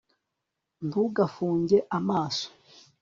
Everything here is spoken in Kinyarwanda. ntugafunge amaso